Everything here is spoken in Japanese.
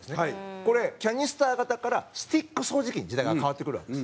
これ、キャニスター型からスティック掃除機に時代が変わってくるわけです。